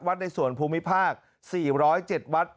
ในส่วนภูมิภาค๔๐๗วัด